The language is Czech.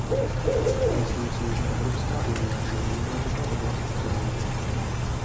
Myslím si, že Evropská unie by neměla tuto oblast přehlížet.